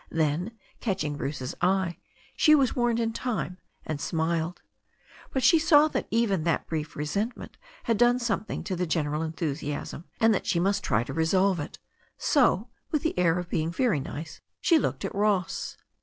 Then, catching Bruce's eye, she was warned in time and smiled. But she saw that even that brief resentment had done something to the gen eral enthusiasm, and that she must try to restore it. So, with the air of being very nice, she looked at Ross.